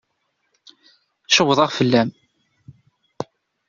Cewḍeɣ fell-am.